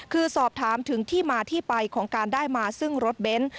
คือสอบถามถึงที่มาที่ไปของการได้มาซึ่งรถเบนท์